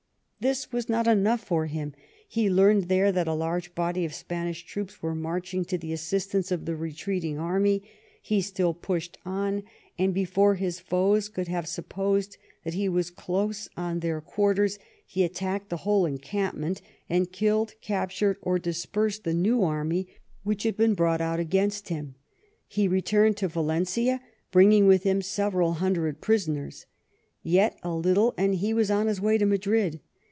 This was not enough for him. He learned there that a large body of Spanish troops was marching to the assistance of the retreating enemy. He still pushed on, and before his foes could have supposed that he was close on their quarters, he at tacked the whole encampment, and killed, captured, or dispersed the new army which had been brought 137 THE REIGN OF QUEEN ANNE out against him. He returned to Valencia, bringing with him several hundred prisoners. Yet a little, and he was on his way to Madrid.